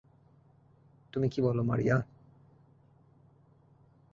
তুমি কী বলো, মারিয়া?